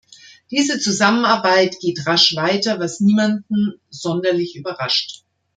Diese Zusammenarbeit geht rasch weiter, was niemanden sonderlich überrascht.